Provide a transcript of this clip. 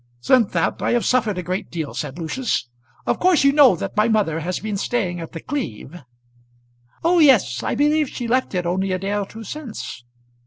"Since that I have suffered a great deal," said Lucius. "Of course you know that my mother has been staying at The Cleeve?" "Oh yes. I believe she left it only a day or two since."